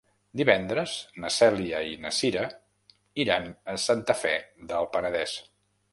Divendres na Cèlia i na Cira iran a Santa Fe del Penedès.